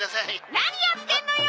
何やってんのよ！